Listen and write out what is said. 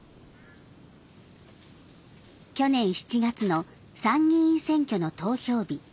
去年７月の参議院選挙の投票日。